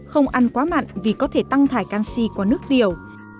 không ăn quá mặn vì có thể tăng thải canxi qua nước tiểu